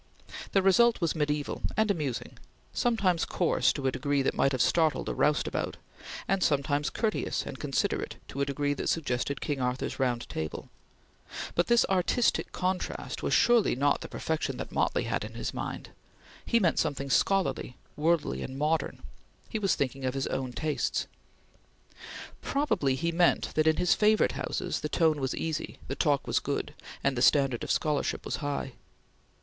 The result was mediaeval, and amusing; sometimes coarse to a degree that might have startled a roustabout, and sometimes courteous and considerate to a degree that suggested King Arthur's Round Table; but this artistic contrast was surely not the perfection that Motley had in his mind. He meant something scholarly, worldly, and modern; he was thinking of his own tastes. Probably he meant that, in his favorite houses, the tone was easy, the talk was good, and the standard of scholarship was high.